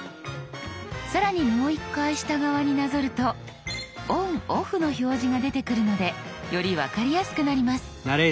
更にもう一回下側になぞると「ＯＮＯＦＦ」の表示が出てくるのでより分かりやすくなります。